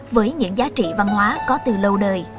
với những giá trị văn hóa có từ lâu đời